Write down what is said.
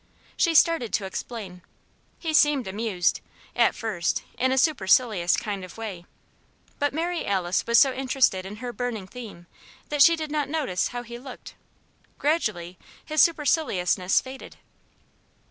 She started to explain. He seemed amused, at first, in a supercilious kind of way. But Mary Alice was so interested in her "burning theme" that she did not notice how he looked. Gradually his superciliousness faded.